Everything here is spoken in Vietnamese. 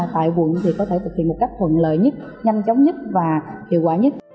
tại quận thì có thể thực hiện một cách thuận lợi nhất nhanh chóng nhất và hiệu quả nhất